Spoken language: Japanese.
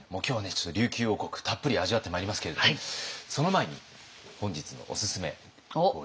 ちょっと琉球王国たっぷり味わってまいりますけれどもその前に本日のおすすめご用意いたしました。